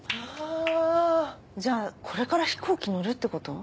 じゃあこれから飛行機乗るってこと？